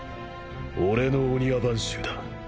俺の御庭番衆だ。